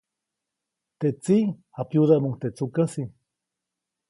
Teʼ tsiʼ japyudäʼmuŋ teʼ tsukäsi.